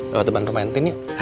lewat depan rumah entin yuk